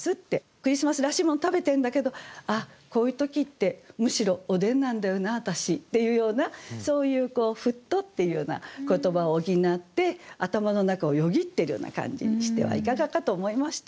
クリスマスらしいもの食べてるんだけど「ああこういう時ってむしろおでんなんだよな私」っていうようなそういう「ふっと」っていうような言葉を補って頭の中をよぎってるような感じにしてはいかがかと思いました。